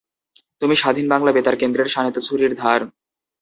তুমি স্বাধীন বাংলা বেতার কেন্দ্রের, শাণীত ছুরির ধার।